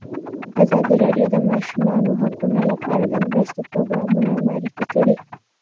ازادي راډیو د د ماشومانو حقونه لپاره د مرستو پروګرامونه معرفي کړي.